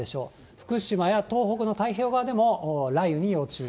福島や東北の太平洋側でも雷雨に要注意。